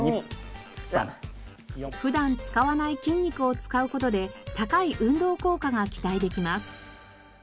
普段使わない筋肉を使う事で高い運動効果が期待できます。